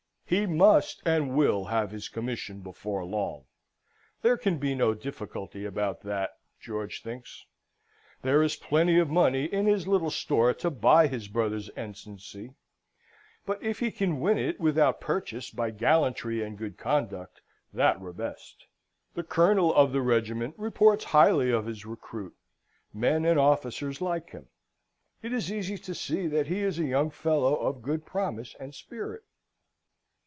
He must and will have his commission before long. There can be no difficulty about that, George thinks. There is plenty of money in his little store to buy his brother's ensigncy; but if he can win it without purchase by gallantry and good conduct, that were best. The colonel of the regiment reports highly of his recruit; men and officers like him. It is easy to see that he is a young fellow of good promise and spirit.